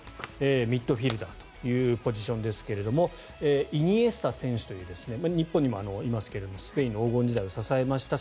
ミッドフィールダーというポジションですがイニエスタ選手という日本にもいますけどスペインの黄金時代を支えました